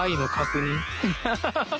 ハハハッ。